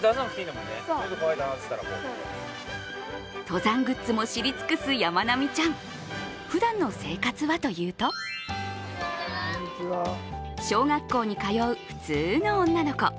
登山グッズも知り尽くすやまなみちゃんふだんの生活はというと小学校に通う普通の女の子。